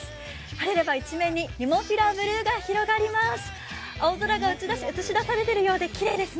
晴れれば一面にネモフィラブルーが広がります。